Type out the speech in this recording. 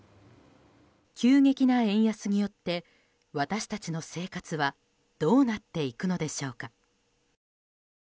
急激な円安によって私たちの生活はどうなっていくのでしょうか。